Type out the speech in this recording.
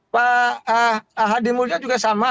pak hadi mulya juga sama